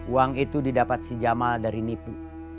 uang itu didapat si jamal dari nipu